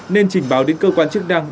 nên trình báo đến cơ quan chức đăng